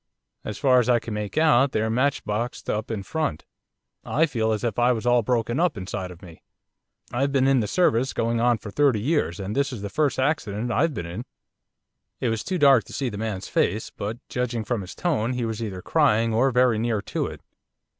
As far as I can make out they're matchboxed up in front. I feel as if I was all broken up inside of me. I've been in the service going on for thirty years, and this is the first accident I've been in.' It was too dark to see the man's face, but judging from his tone he was either crying or very near to it.